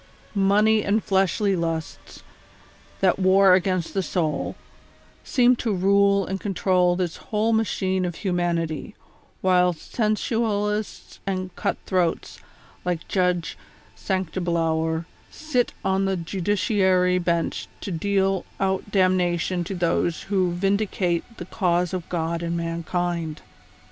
Money and fleshly lusts, that war against the soul, seem to rule and control this whole machine of humanity, whilst sensual ists and cut throats, like Judge Sanctiblower, sit on tlie judiciary bench to deal out damnation to those who vindi cate the cause of God and mankind.